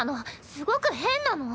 すごく変なの。